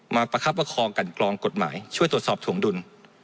ประคับประคองกันกรองกฎหมายช่วยตรวจสอบถวงดุล